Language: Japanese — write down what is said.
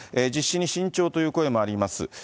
実施に慎重という声もあります。